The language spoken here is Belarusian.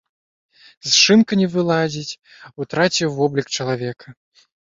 З шынка не вылазіць, утраціў воблік чалавека.